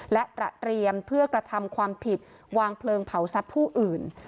และตระเตรียมเพื่อกระทำความผิดวางเพลิงเผาทรัพย์ผู้อื่น